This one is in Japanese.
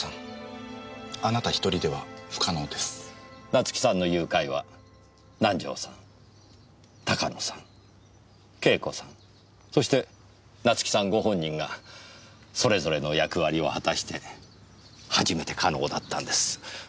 夏樹さんの誘拐は南条さん鷹野さん惠子さんそして夏樹さんご本人がそれぞれの役割を果たして初めて可能だったんです。